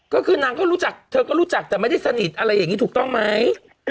ก็คือนางก็รู้จักเธอก็รู้จักแต่ไม่ได้สนิทอะไรอย่างนี้ถูกต้องไหม